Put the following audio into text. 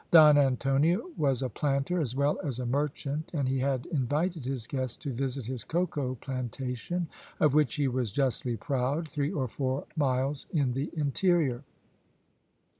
Don Antonio was a planter as well as a merchant, and he had invited his guests to visit his cocoa plantation, of which he was justly proud, three or four miles in the interior.